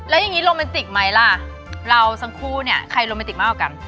แล้วยังงี้โรแมนติกไหมล่ะเราทั้งคู่เนี่ย